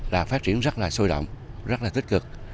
đã phát triển rất là sôi động rất là tích cực